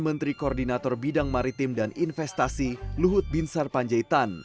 menteri koordinator bidang maritim dan investasi luhut binsar panjaitan